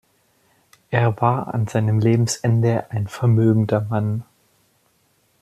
Er war an seinem Lebensende ein vermögender Mann.